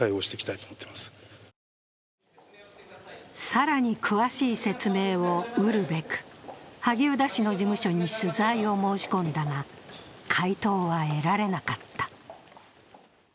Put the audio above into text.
更に詳しい説明を得るべく、萩生田氏の事務所に取材を申し込んだが回答は得られなかった。